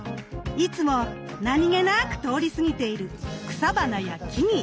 いつも何気なく通り過ぎている草花や木々。